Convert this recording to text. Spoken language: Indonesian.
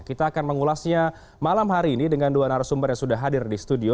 kita akan mengulasnya malam hari ini dengan dua narasumber yang sudah hadir di studio